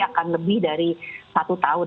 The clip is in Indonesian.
akan lebih dari satu tahun